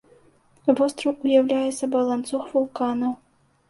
Востраў уяўляе сабою ланцуг вулканаў.